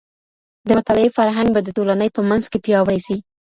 د مطالعې فرهنګ به د ټولني په منځ کي پياوړی سي.